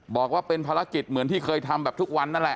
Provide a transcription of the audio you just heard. บอกว่าเป็นภารกิจเหมือนที่เคยทำแบบทุกวันนั่นแหละ